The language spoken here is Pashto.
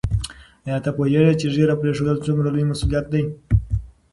آیا ته پوهېږې چې ږیره پرېښودل څومره لوی مسؤلیت دی؟